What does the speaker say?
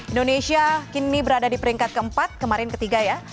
indonesia kini berada di peringkat keempat kemarin ketiga ya